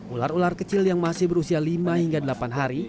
ular ular kecil yang masih berusia lima hingga delapan hari